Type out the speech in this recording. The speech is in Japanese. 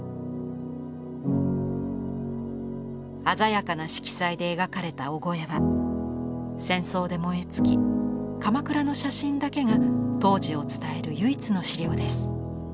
鮮やかな色彩で描かれた「御後絵」は戦争で燃え尽き鎌倉の写真だけが当時を伝える唯一の資料です。